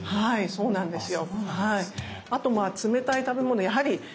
そうなんですよ。